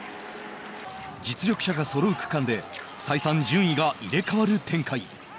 実力者がそろう区間で再三、順位が入れ替わる展開。